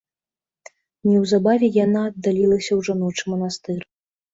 Неўзабаве яна аддалілася ў жаночы манастыр.